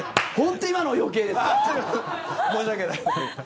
申し訳ない。